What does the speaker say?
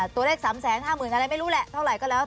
ตัวเลขสามแสนสามหมื่นอะไรไม่รู้แหละเท่าไหร่ก็แล้ว